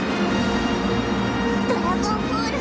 ドラゴンフォール